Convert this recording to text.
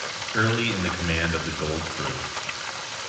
Early in command of the Gold Crew.